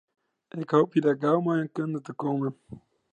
Ik hoopje dêr gau mei yn de kunde te kommen.